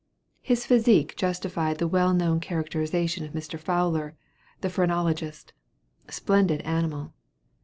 His physique justified the well known characterization of Mr. Fowler, the phrenologist, "Splendid animal."